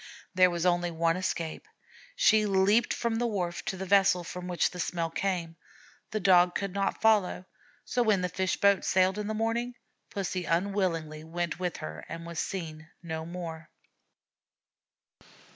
There was only one escape. She leaped from the wharf to the vessel from which the smell came. The Dog could not follow, so when the fish boat sailed in the morning Pussy unwillingly went with her and was seen no more.